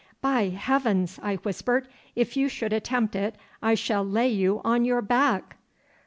'By Heaven!' I whispered, 'if you should attempt it I shall lay you on your back.